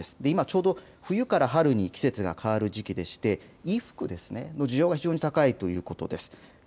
今、ちょうど冬から春に季節が変わる時期で衣服の需要が非常に高いということです。